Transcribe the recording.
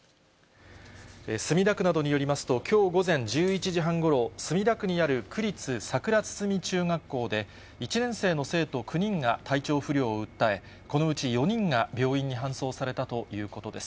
墨田区などによりますと、きょう午前１１時半ごろ、墨田区にある区立桜堤中学校で、１年生の生徒９人が体調不良を訴え、このうち４人が病院に搬送されたということです。